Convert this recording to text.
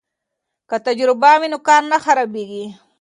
که تجربه وي نو کار نه خرابېږي.